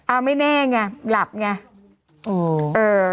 เอาไม่แน่ไงหลับไง